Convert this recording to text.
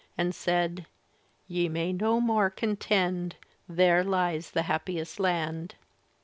And said, * Ye may no more contend, — There lies the happiest land!'